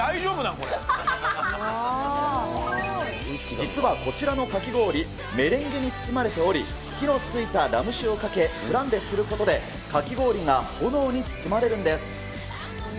実はこちらのかき氷、メレンゲに包まれており、火のついたラム酒をかけ、フランベすることで、かき氷が炎に包まれるんです。